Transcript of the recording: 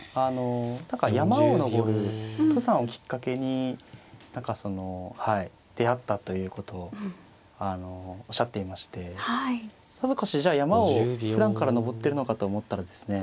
何か山を登る登山をきっかけに出会ったということをおっしゃっていましてさぞかしじゃあ山をふだんから登ってるのかと思ったらですね